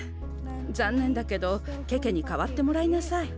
ざんねんだけどケケにかわってもらいなさい。